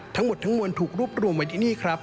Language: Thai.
ทั้งหมดทั้งมวลถูกรวบรวมไว้ที่นี่ครับ